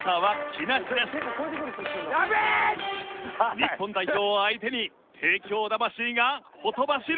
日本代表を相手に帝京魂がほとばしる！